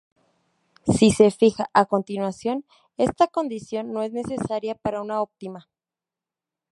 Si se fija, a continuación, esta condición no es necesaria para una óptima.